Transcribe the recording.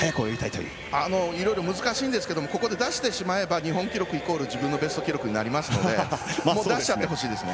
いろいろ難しいんですがここで出してしまえば日本記録イコール自分のベスト記録になるので出しちゃってほしいですね。